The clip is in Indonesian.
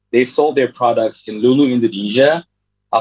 mereka menjual produk mereka di lulu di indonesia